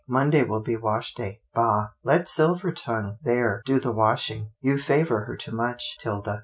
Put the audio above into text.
Monday will be wash day." " Bah ! let Silvertongue, there, do the' washing. You favour her too much, 'Tilda."